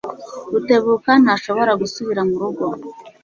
Rutebuka ntashobora gusubira murugo.